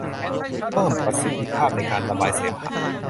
เพิ่มประสิทธิภาพในการระบายเสมหะ